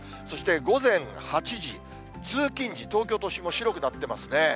そして午前８時、通勤時、東京都心も白くなってますね。